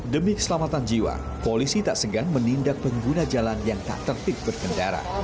demi keselamatan jiwa polisi tak segan menindak pengguna jalan yang tak tertib berkendara